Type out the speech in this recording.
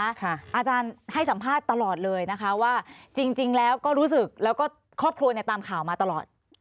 อาจารย์ให้สัมภาษณ์ตลอดเลยนะคะว่าจริงแล้วก็รู้สึกแล้วก็ครอบครัวเนี่ยตามข่าวมาตลอด